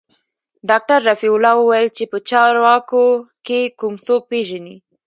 ډاکتر رفيع الله وويل چې په چارواکو کښې کوم څوک پېژني.